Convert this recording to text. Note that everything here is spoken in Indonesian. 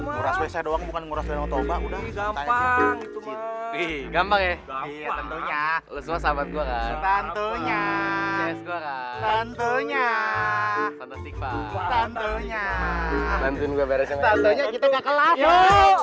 manggis saya doang bukan nguras nguras gampang itu gampang ya tentunya bersama gue kan tentunya